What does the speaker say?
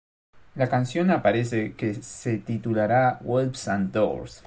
La canción aparece que se titulará "Wolves And Doors".